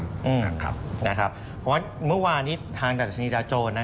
เพราะว่าเมื่อวานนี้ทางดัชนีจาโจร